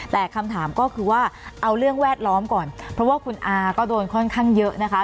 แต่คำถามก็คือว่าเอาเรื่องแวดล้อมก่อนเพราะว่าคุณอาก็โดนค่อนข้างเยอะนะคะ